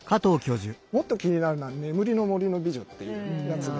もっと気になるのは「眠れる森の美女」っていうやつで。